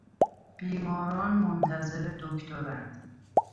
بیماران منتظر دکتراند.